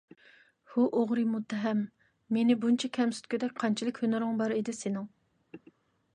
ھۇ ئوغرى مۇتتەھەم! مېنى بۇنچە كەمسىتكۈدەك قانچىلىك ھۈنىرىڭ بار ئىدى سېنىڭ؟